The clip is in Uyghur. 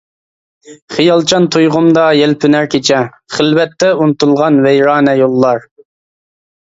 خىيالچان تۇيغۇمدا يەلپۈنەر كېچە، خىلۋەتتە ئۇنتۇلغان ۋەيرانە يوللار.